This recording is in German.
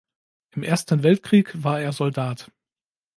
Im Ersten Weltkrieg war er Soldat.